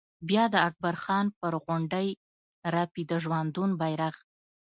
بیا د اکبر خان پر غونډۍ رپي د ژوندون بيرغ